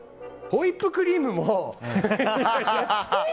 ホイップクリームも。